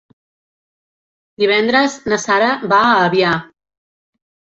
Divendres na Sara va a Avià.